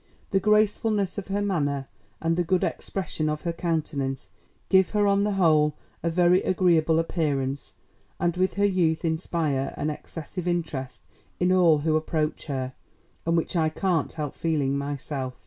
... The gracefulness of her manner and the good expression of her countenance give her on the whole a very agreeable appearance, and with her youth inspire an excessive interest in all who approach her, and which I can't help feeling myself."